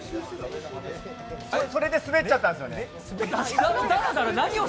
それで滑っちゃったんですよね。